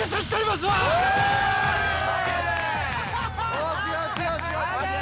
・よしよしよしよし・